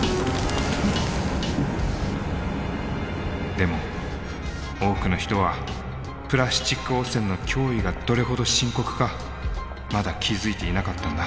でも多くの人はプラスチック汚染の脅威がどれほど深刻かまだ気付いていなかったんだ。